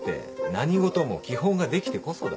何事も基本ができてこそだ。